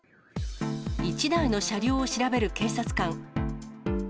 １台の車両を調べる警察官。